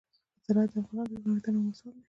زراعت د افغانستان د جغرافیوي تنوع مثال دی.